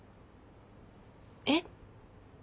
えっ？